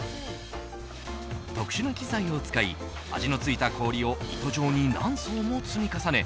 特殊な機材を使い味のついた氷を糸状に何層も積み重ね